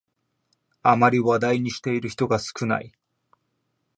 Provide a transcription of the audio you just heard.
あまり話題にしている人が少ない